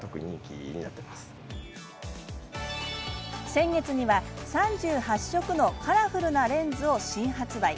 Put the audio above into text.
先月には、３８色のカラフルなレンズを新発売。